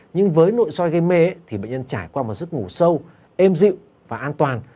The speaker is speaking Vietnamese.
nhưng với nội soi gây mê thì bệnh nhân trải qua một giấc ngủ sâu êm dịu và an toàn